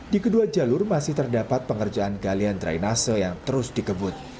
di kedua jalur masih terdapat pengerjaan galian drainase yang terus dikebut